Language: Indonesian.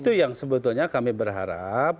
itu yang sebetulnya kami berharap